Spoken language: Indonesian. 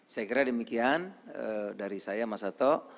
saya kira demikian dari saya mas sato